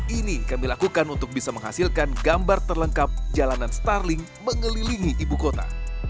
ini kami lakukan untuk bisa menghasilkan gambar terlengkap jalanan starling mengelilingi ibu kota